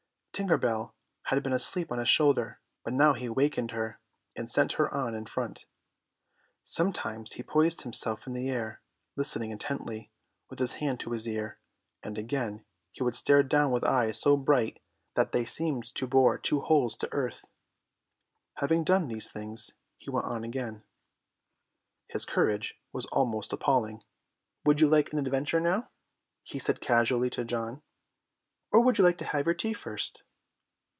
Tinker Bell had been asleep on his shoulder, but now he wakened her and sent her on in front. Sometimes he poised himself in the air, listening intently, with his hand to his ear, and again he would stare down with eyes so bright that they seemed to bore two holes to earth. Having done these things, he went on again. His courage was almost appalling. "Would you like an adventure now," he said casually to John, "or would you like to have your tea first?"